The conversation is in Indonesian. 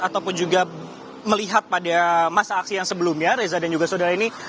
ataupun juga melihat pada masa aksi yang sebelumnya reza dan juga saudara ini